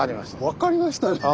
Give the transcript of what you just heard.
わかりましたね。